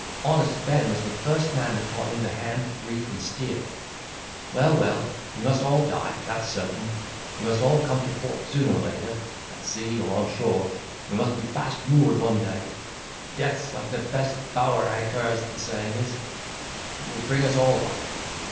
Honest Ben was the first man that taught him to hand, reef, and steer. Well, well, we must all die, that's certain—we must all come to port sooner or later, at sea or on shore—we must be fast moored one day: death's like the best bower anchor, as the saying is—it will bring us all up."